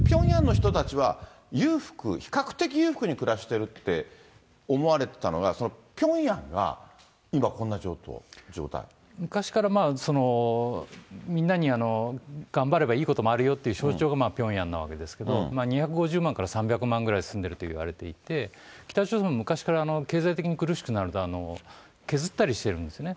ピョンヤンの人たちは、裕福、比較的裕福に暮らしてるって思われていたのが、ピョンヤンが今、昔から、みんなに頑張ればいいこともあるよっていう象徴がピョンヤンなわけですけれども、２５０万から３００万ぐらい住んでいるといわれていて、北朝鮮、昔から経済的に苦しくなると、削ったりしてるんですね。